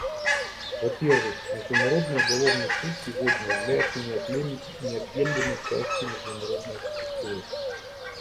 Во — первых, Международный уголовный суд сегодня является неотъемлемой частью международной архитектуры.